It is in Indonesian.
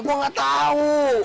gue gak tau